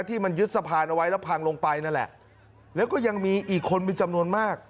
ที่มันยึดสะพานเอาไว้แล้วพังลงไปนั่นแหละแล้วก็ยังมีอีกคนมีจำนวนมาก